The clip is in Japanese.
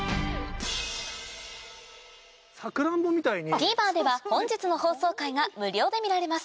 ＴＶｅｒでは本日の放送回が無料で見られます